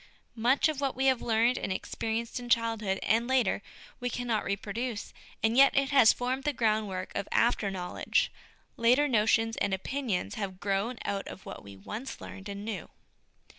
Much of what we have learned and experienced in childhood, and later, we cannot reproduce, and yet it has formed the groundwork of after know ledge ; later notions and opinions have grown out of what we once learned and knew.